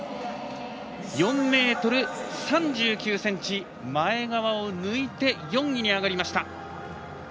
４ｍ３９ｃｍ前川を抜いて４位に上がりました。